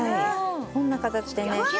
こんな形でね。